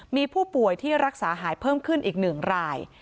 มีผู้ป่วยที่รักษาหายเพิ่มขึ้นอีก๑ราย